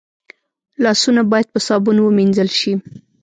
لاسونه باید په صابون ومینځل شي